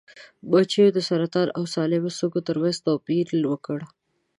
مچیو د سرطاني او سالمو سږو ترمنځ توپیر وکړ.